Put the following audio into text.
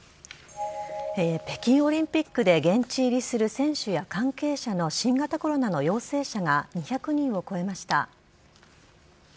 北京オリンピックで現地入りする選手や関係者の新型コロナの陽性者が２００人を超えました。